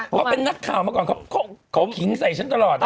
เพราะเป็นนักข่าวมาก่อนเขาขิงใส่ฉันตลอด